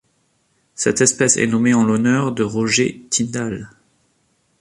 Cette espèce est nommée en l'honneur de Roger Tindall.